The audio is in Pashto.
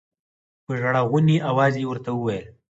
په ژړا غوني اواز يې ورته وويل.